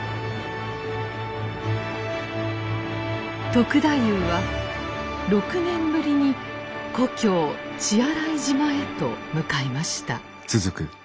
篤太夫は６年ぶりに故郷血洗島へと向かいました。